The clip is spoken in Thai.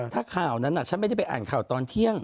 ถ้าข่าวนั้นฉันไม่ได้ไปอ่านข่าวตอนเที่ยง